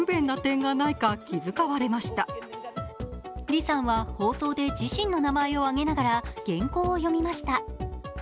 リさんは放送で自身の名前を挙げながら原稿を読みました。